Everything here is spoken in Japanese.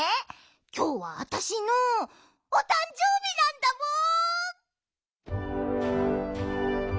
きょうはあたしのおたんじょうびなんだもん！